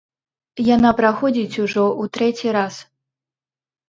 Яна праходзіць ужо ў трэці раз.